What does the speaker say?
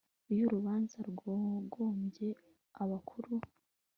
iyo urubanza rwagombye abakuru